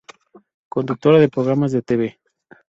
Conductora de programas de tv.